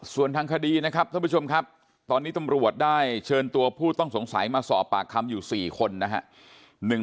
ส่วนทางคดีนะครับท่านผู้ชมครับตอนนี้ตำรวจได้เชิญตัวผู้ต้องสงสัยมาสอบปากคำอยู่๔คนนะครับ